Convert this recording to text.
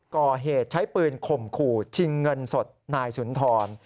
ก่อเหตุใช้ปืนข่มขู่ชิงเงินสดนายสุนทร